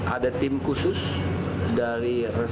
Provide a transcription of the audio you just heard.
ada tim khusus dari resor